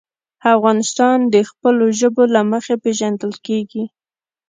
افغانستان د خپلو ژبو له مخې پېژندل کېږي.